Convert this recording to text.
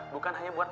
bukan hanya buat kita